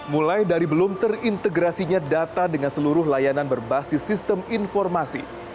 mulai dari belum terintegrasinya data dengan seluruh layanan berbasis sistem informasi